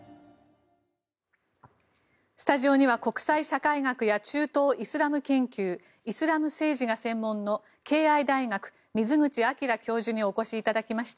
スタジオには国際社会学や中東イスラム研究イスラム政治が専門の敬愛大学水口章教授にお越しいただきました。